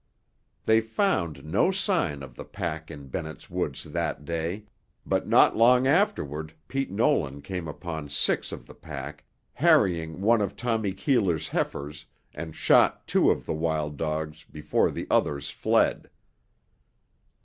They found no sign of the pack in Bennett's Woods that day, but not long afterward Pete Nolan came upon six of the pack harrying one of Tommy Keeler's heifers and shot two of the wild dogs before the others fled.